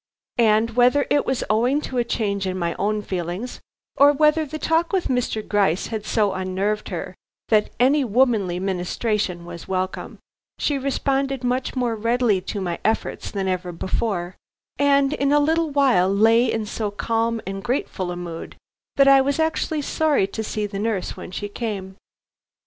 And whether it was owing to a change in my own feelings, or whether the talk with Mr. Gryce had so unnerved her that any womanly ministration was welcome, she responded much more readily to my efforts than ever before, and in a little while lay in so calm and grateful a mood that I was actually sorry to see the nurse when she came.